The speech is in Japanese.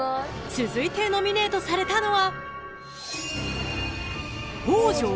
［続いてノミネートされたのは］